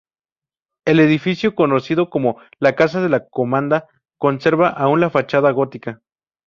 El edificio conocido como "Casa de la Comanda" conserva aún la fachada gótica.